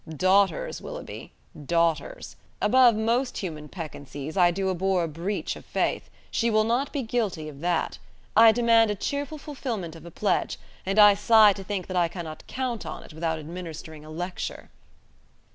Daughters, Willoughby, daughters! Above most human peccancies, I do abhor a breach of faith. She will not be guilty of that. I demand a cheerful fulfilment of a pledge: and I sigh to think that I cannot count on it without administering a lecture."